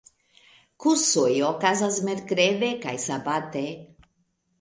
Kursoj okazas merkrede kaj sabate.